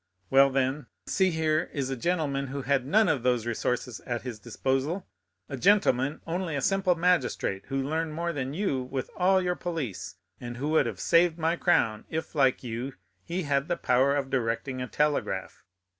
Well, then, see, here is a gentleman who had none of these resources at his disposal—a gentleman, only a simple magistrate, who learned more than you with all your police, and who would have saved my crown, if, like you, he had the power of directing a telegraph."